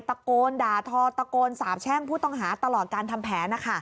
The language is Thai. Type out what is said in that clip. ตะโกนด่าทอตะโกนสาบแช่งผู้ต้องหาตลอดการทำแผน